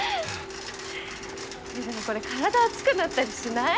でもこれ体熱くなったりしない？